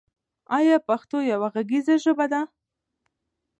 آیا پښتو یوه غږیزه ژبه ده؟